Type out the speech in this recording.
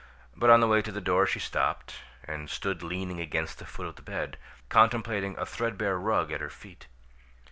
But on the way to the door she stopped, and stood leaning against the foot of the bed, contemplating a threadbare rug at her feet.